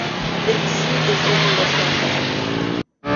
Its seat is in Le Tampon.